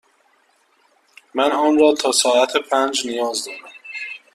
من آن را تا ساعت پنج نیاز دارم.